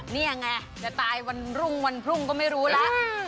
นี่ไงจะตายวันรุ่งวันพรุ่งก็ไม่รู้แล้ว